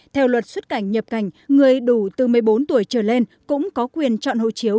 theo luật xuất cảnh nhập cảnh người đủ từ một mươi bốn tuổi trở lên cũng có quyền chọn hộ chiếu